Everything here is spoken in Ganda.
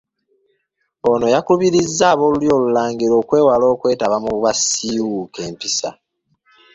Ono yakubirizza ab'Olulyo Olulangira okwewala okwetaba mu basiiwuuka empisa.